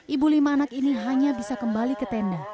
ibu lima anak ini hanya bisa kembali ke tenda